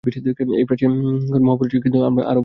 এই প্রাচীনগণ মহাপুরুষ ছিলেন, কিন্তু আমরা আরও বড় হইতে চাই।